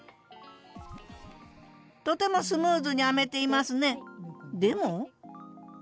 とてもスムーズに編めていますね。